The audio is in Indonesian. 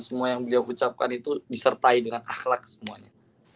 semua yang beliau ucapkan itu disertai dengan akhlak semuanya